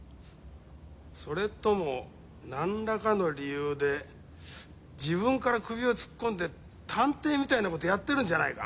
それともなんらかの理由で自分から首を突っ込んで探偵みたいなことやってるんじゃないか？